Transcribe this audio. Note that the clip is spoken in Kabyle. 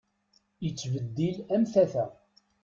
Ittbeddil am tata.